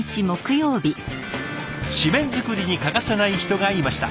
誌面作りに欠かせない人がいました。